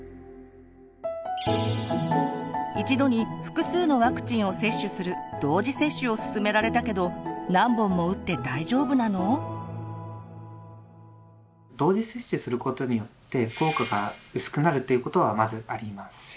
一度に複数のワクチンを接種する同時接種することによって効果が薄くなるということはまずありません。